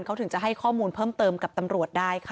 เขาถึงจะให้ข้อมูลเพิ่มเติมกับตำรวจได้ค่ะ